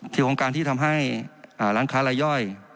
ของการที่ทำให้ร้านค้ารายย่อย